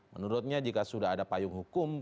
menurutnya jika sudah ada payung hukum